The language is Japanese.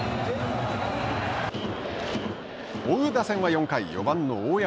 追う打線は４回、４番の大山。